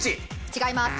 違います。